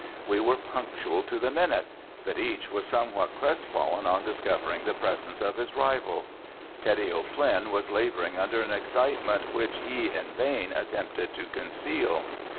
We were punctual to the minute, but each was somewhat crestfallen on discovering the presence of his rival. Teddy O'Flynn was laboring under an excitement which he in vain attempted to conceal.